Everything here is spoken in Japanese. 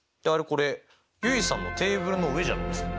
これ結衣さんのテーブルの上じゃないですか？